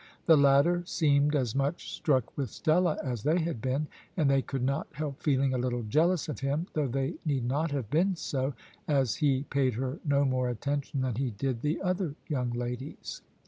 The latter seemed as much struck with Stella as they had been, and they could not help feeling a little jealous of him, though they need not have been so, as he paid her no more attention than he did the other young ladies.